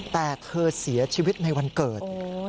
แต่เธอเสียชีวิตในวันเกิด